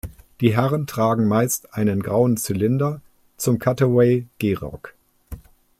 Die Herren tragen meist einen grauen Zylinder zum Cutaway-Gehrock.